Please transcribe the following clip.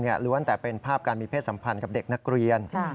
ล้วนแต่เป็นภาพการมีเพศสัมพันธ์กับเด็กนักเรียน